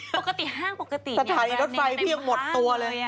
สะทายรถไฟพี่ยังหมดตัวเลย